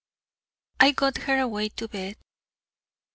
I got her away to bed.